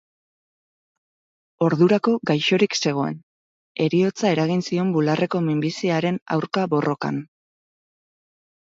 Ordurako gaixorik zegoen, heriotza eragin zion bularreko minbiziaren aurka borrokan.